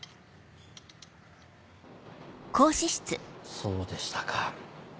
そうでしたか。